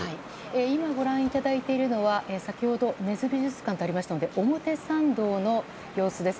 今、ご覧いただいているのは先ほど根津美術館があった表参道の様子です。